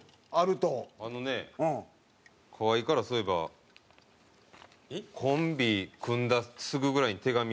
あのね河井からそういえばコンビ組んだすぐぐらいに手紙。